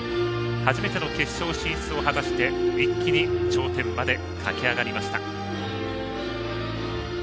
初めての決勝進出を果たして一気に頂点まで駆け上がりました。